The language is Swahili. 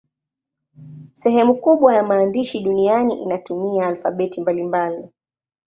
Sehemu kubwa ya maandishi duniani inatumia alfabeti mbalimbali.